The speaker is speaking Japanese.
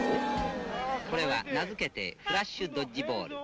これは名付けて、フラッシュドッジボール。